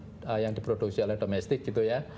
produk yang diproduksi oleh domestik gitu ya